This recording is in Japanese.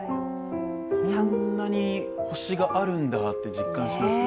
あんなに星があるんだって実感しますね。